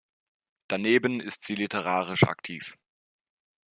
Daneben ist sie literarisch aktiv.